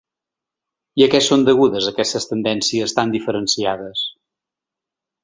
I a què són degudes aquestes tendències tan diferenciades?